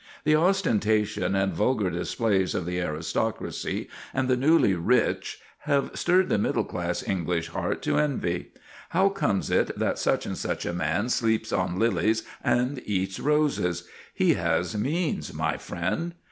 The ostentation and vulgar displays of the aristocracy and the newly rich have stirred the middle class English heart to envy. How comes it that such and such a man sleeps on lilies and eats roses? He has "means," my friend.